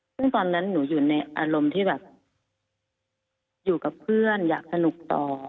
ซึ่งตอนนั้นหนูอยู่ในอารมณ์ที่แบบอยู่กับเพื่อนอยากสนุกต่อ